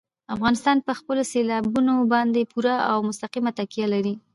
افغانستان په خپلو سیلابونو باندې پوره او مستقیمه تکیه لري.